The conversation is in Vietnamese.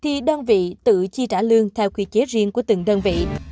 thì đơn vị tự chi trả lương theo quy chế riêng của từng đơn vị